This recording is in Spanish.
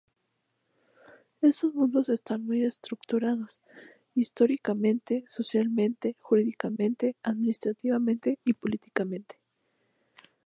Estos mundos están muy estructurados, históricamente, socialmente, jurídicamente, administrativamente y políticamente.